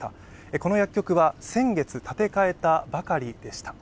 この薬局は先月建て替えたばかりでした。